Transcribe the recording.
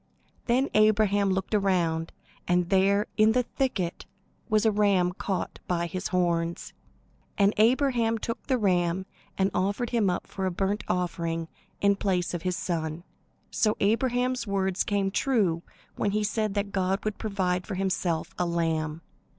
Then Abraham looked around, and there in the thicket was a ram caught by his horns. And Abraham took the ram and offered him up for a burnt offering in place of his son. So Abraham's words came true when he said that God would provide for himself a lamb.